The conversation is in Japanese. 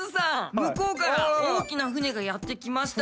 向こうから大きな船がやって来ましたよ。